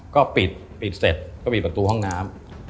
ก็ปิดปิดเสร็จก็ปิดประตูห้องน้ำ